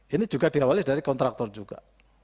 ini juga diawali dari kontraktor juga